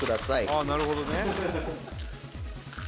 ああなるほどね。